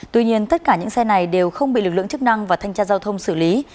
tuy nhiên tất cả những xe này đều không bị lực lượng chức năng và thanh tra giao thông xử lý